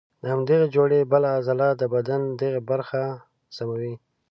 د همدغې جوړې بله عضله د بدن دغه برخه سموي.